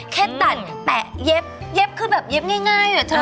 แค่ตัดแตะเย็บเย็บคือแบบเย็บง่ายเหรอเธอ